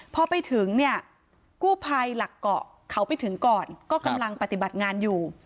พอไปถึงเนี่ยกู้ภัยหลักเกาะเขาไปถึงก่อนก็กำลังปฏิบัติงานอยู่